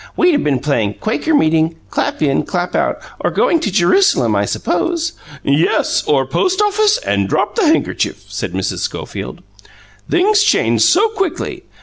"We'd have been playing 'Quaker meeting,' 'Clap in, Clap out,' or 'Going to Jerusalem,' I suppose." "Yes, or 'Post office' and 'Drop the handkerchief,'" said Mrs. Schofield. "Things change so quickly.